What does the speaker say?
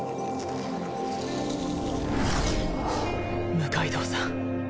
六階堂さん